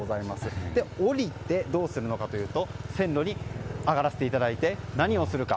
降りて、どうするのかというと線路に上がらせていただいて何をするか。